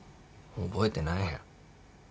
覚えてないよ。